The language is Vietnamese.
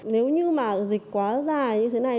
nếu như mà dịch quá dài như thế này